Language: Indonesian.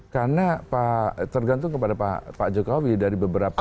karena tergantung kepada pak jokowi dari beberapa